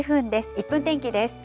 １分天気です。